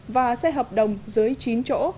và xe hợp đồng dưới chín chỗ